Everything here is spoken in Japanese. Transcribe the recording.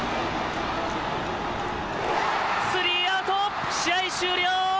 スリーアウト、試合終了。